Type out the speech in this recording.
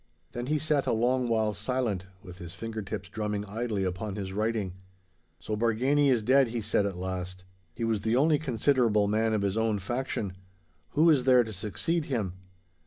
Then he sat a long while silent, with his finger tips drumming idly upon his writing. 'So Bargany is dead,' he said at last. 'He was the only considerable man of his own faction. Who is there to succeed him?